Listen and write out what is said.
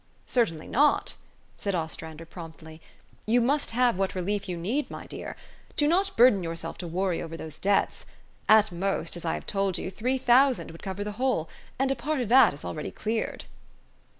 " Certainly not," said Ostrander promptly :" you must have what relief you need, my dear. Do not burden yourself to worry over those debts. At most, as I have told you, three thousand would cover the whole, and a part of that is already cleared."